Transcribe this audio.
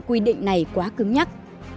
quy định này quá cứng nhắc